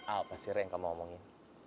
apa sih yang kamu omongin